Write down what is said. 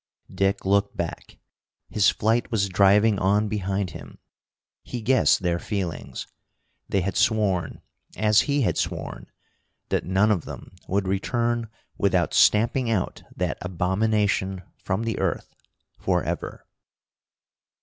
Dick looked back. His flight was driving on behind him. He guessed their feelings. They had sworn, as he had sworn, that none of them would return without stamping out that abomination from the earth forever.